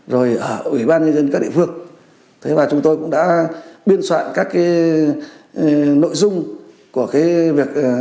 rồi ở ủy ban nhân dân các địa phương và chúng tôi cũng đã biên soạn các cái nội dung của cái việc